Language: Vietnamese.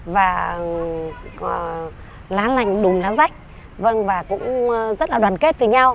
và lá lành đùm lá rách và cũng rất là đoàn kết với nhau